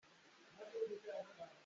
A fim hlei ah aa zuam fawn.